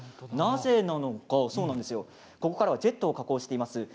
なぜなのか、ここからはジェットを加工しています